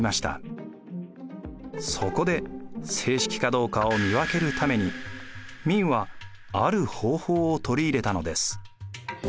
そこで正式かどうかを見分けるために明はある方法を取り入れたのです。